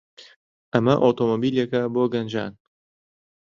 ئەمە ئۆتۆمۆبیلێکە بۆ گەنجان.